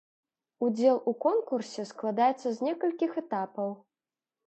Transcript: Удзел у конкурсе складаецца з некалькіх этапаў.